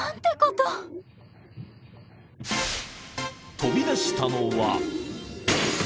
［飛び出したのは］